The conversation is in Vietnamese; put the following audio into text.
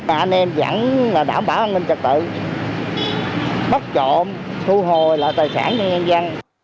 và anh em vẫn đảm bảo an ninh trật tự bắt trộm thu hồi lại tài sản cho nhân dân